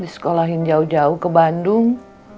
di sekolahin jauh jauh ke bandung